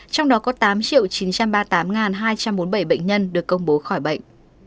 trong đó có tám chín trăm ba mươi tám hai trăm bốn mươi bảy bệnh nhân được công bố khỏi bệnh